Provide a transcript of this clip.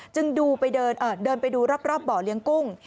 จึงเดินไปดูรอบเบาะเลี้ยงกุ้ง